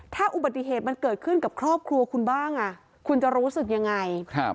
ถ้าอุบัติเหตุมันเกิดขึ้นกับครอบครัวคุณบ้างคุณจะรู้สึกยังไง